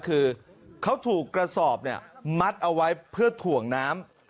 คือเขาถูกกระสอบมัดเอาไว้เพื่อถ่วงน้ำ